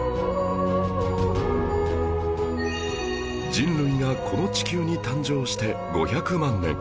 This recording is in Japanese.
人類がこの地球に誕生して５００万年